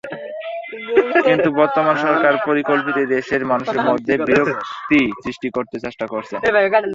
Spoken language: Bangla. কিন্তু বর্তমান সরকার পরিকল্পিতভাবে দেশের মানুষের মধ্যে বিভক্তি সৃষ্টি করতে চেষ্টা করছে।